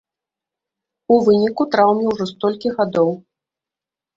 У выніку траўме ўжо столькі гадоў!